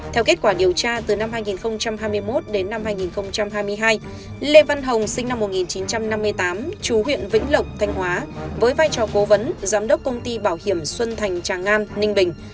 theo kết quả điều tra từ năm hai nghìn hai mươi một đến năm hai nghìn hai mươi hai lê văn hồng sinh năm một nghìn chín trăm năm mươi tám chú huyện vĩnh lộc thanh hóa với vai trò cố vấn giám đốc công ty bảo hiểm xuân thành tràng an ninh bình